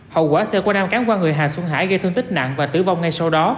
hậu quả xe của nam cán qua người hà xuân hải gây thương tích nặng và tử vong ngay sau đó